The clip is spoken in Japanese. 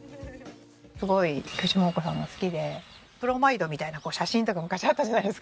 すごい菊池桃子さんが好きでブロマイドみたいな写真とか昔あったじゃないですか。